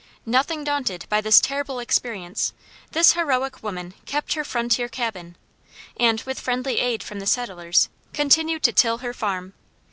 Nothing daunted by this terrible experience, this heroic woman kept her frontier cabin and, with friendly aid from the settlers, continued to till her farm.